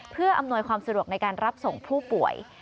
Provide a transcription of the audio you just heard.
เพื่ออำนวยความสะดวกในการรับส่งผู้ป่วย